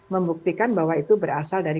membuktikan bahwa itu berasal dari